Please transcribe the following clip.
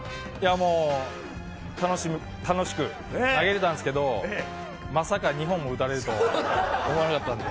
もう楽しく投げれたんですけど、まさか２本も打たれるとは思わなかったんで。